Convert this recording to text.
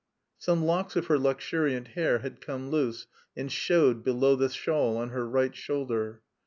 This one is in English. Some locks of her luxuriant hair had come loose and showed below the shawl on her right shoulder.